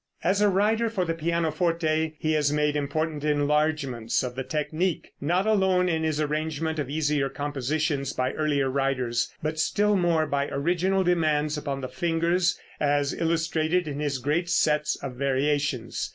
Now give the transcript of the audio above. As a writer for the pianoforte he has made important enlargements of the technique, not alone in his arrangement of easier compositions by earlier writers, but still more by original demands upon the fingers, as illustrated in his great sets of variations.